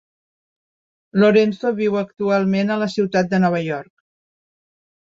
Lorenzo viu actualment a la ciutat de Nova York.